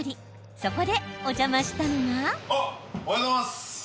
そこで、お邪魔したのが。